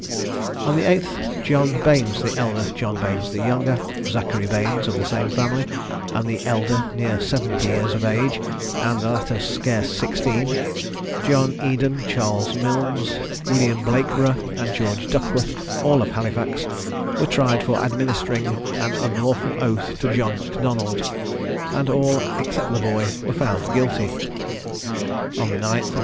On the 8th John Baines the elder, John Baines the younger, Zachary Baines of the same family, the elder near seventy years of age, and the latter scarce sixteen, John Eadon, Charles Milnes, William Blakeborough, and George Duckworth, all of Halifax, were tried for administering an unlawful oath to John Macdonald; and all, except the boy, were found guilty [Illustration: _The Luddites shooting Mr. Horsfall.